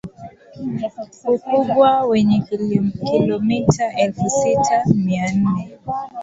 ukubwa wenye kilometa elfusita mia nne